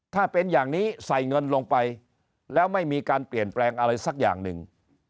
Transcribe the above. ถ้าเป็นอย่างนี้ใส่เงินลงไปแล้วไม่มีการเปลี่ยนแปลงอะไรสักอย่างหนึ่ง